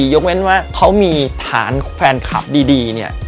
ยกเม้นว่าเขามีฐานแฟนคลับดี